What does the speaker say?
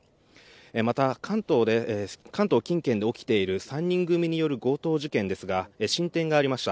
また、関東近県で起きている３人組による強盗事件ですが進展がありました。